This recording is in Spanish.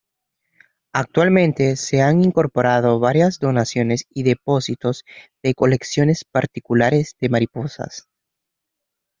Actualmente se han incorporado varias donaciones y depósitos de colecciones particulares de mariposas.